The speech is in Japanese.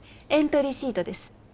エントリーシートです。